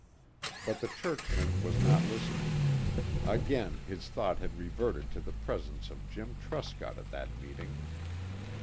But the churchman was not listening. Again his thought had reverted to the presence of Jim Truscott at that meeting.